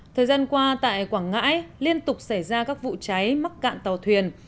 thời gian qua tại quảng ngãi liên tục xảy ra các vụ cháy mắc cạn tàu thuyền